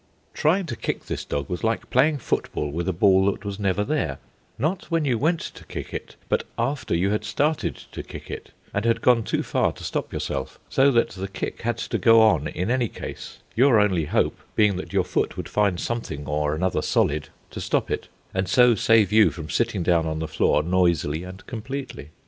Trying to kick this dog was like playing football with a ball that was never there not when you went to kick it, but after you had started to kick it, and had gone too far to stop yourself, so that the kick had to go on in any case, your only hope being that your foot would find something or another solid to stop it, and so save you from sitting down on the floor noisily and completely.